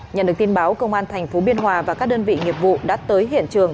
nhận được tin báo công an tp biên hòa và các đơn vị nghiệp vụ đã tới hiện trường